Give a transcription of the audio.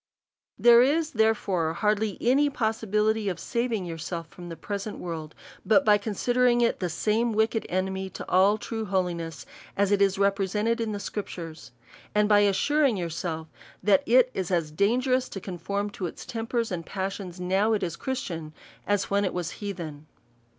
There is, therefore, hardly any possibility of saving yourself from the present world, but by considering it as the same wicked enemy to all true holiness, as it is represented in the scriptures ; and by assuring your self, that it is as dangerous to conform to its tempers and passions, now it is Christian, as when it was hea then.